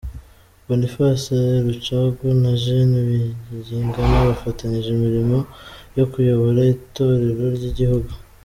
Boniface Rucagu na Gen. Bayingana bafatanyije imirimo yo kuyobora itorero ry’igihugu.